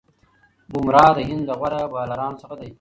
بومراه د هند د غوره بالرانو څخه دئ.